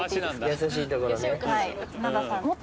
優しいところをね。